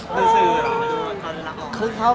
คือคือเค้าดูรักความ